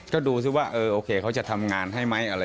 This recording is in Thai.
ก็ดูซิหว่าโอเคเขาจะทำงานให้มั้ย